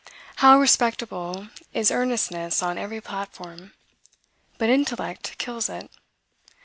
How respectable is earnestness on every platform! but intellect kills it.